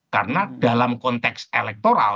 karena dalam konteks elektoral